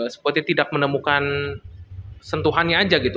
seperti tidak menemukan sentuhannya aja gitu